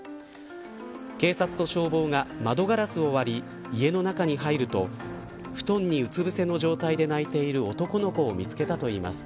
警察と消防が窓ガラスを割り家の中に入ると布団にうつぶせの状態で泣いている男の子を見つけたといいます。